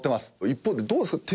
一方でどうですか？